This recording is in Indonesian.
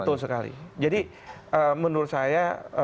betul sekali jadi menurut saya